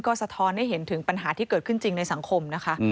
ก็สะท้อนให้เห็นถึงปัญหาที่เกิดขึ้นจริงในสังคมนะคะ